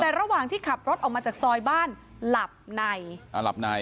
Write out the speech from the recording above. แต่ระหว่างที่ขับรถออกมาจากซอยบ้านหลับในอ่าหลับใน